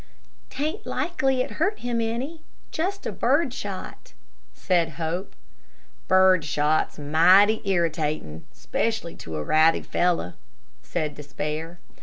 "'T ain't likely it hurt him any just bird shot," said Hope. "Bird shot's mighty irritatin' specially to a wrathy fellow," said Despair.